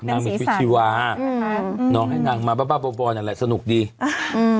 นางมีชีวิตชีวาอืมค่ะน้องให้นางมาบ้าบ้าบอบอบอ่ะแหละสนุกดีอืม